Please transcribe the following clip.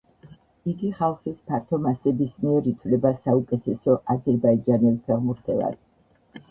იგი ხალხის ფართო მასების მიერ ითვლება საუკეთესო აზერბაიჯანელ ფეხბურთელად.